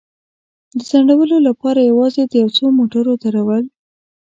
د ځنډولو لپاره یوازې د یو څو موټرو درول.